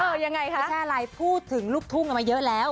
ยังไงคะไม่ใช่อะไรพูดถึงลูกทุ่งกันมาเยอะแล้ว